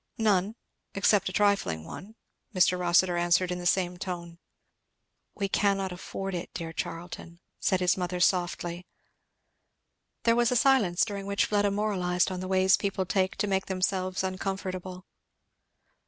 "None except a trifling one," Mr. Rossitur answered in the same tone. "We cannot afford it, dear Charlton," said his mother softly. There was a silence, during which Fleda moralized on the ways people take to make themselves uncomfortable.